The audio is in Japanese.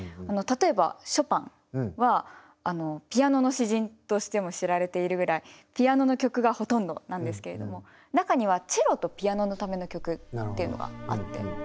例えばショパンはピアノの詩人としても知られているぐらいピアノの曲がほとんどなんですけれども中にはチェロとピアノのための曲っていうのがあって。